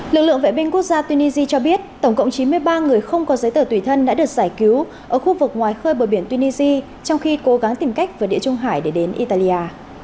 lực lượng vệ binh quốc gia tunisia cho biết tổng cộng chín mươi ba người không có giấy tờ tùy thân đã được giải cứu ở khu vực ngoài khơi bờ biển tunisia trong khi cố gắng tìm cách vượt địa trung hải để đến italia